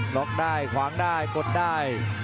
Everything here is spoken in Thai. ล็อกได้ขวางได้กดได้